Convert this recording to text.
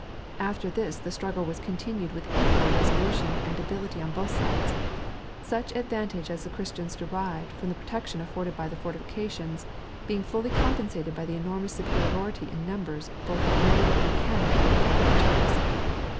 After this the struggle was continued with equal resolution and ability on both sides; such advantage as the Christians derived from the protection afforded by the fortifications being fully compensated by the enormous superiority in numbers both of men and cannon on the part of the Turks.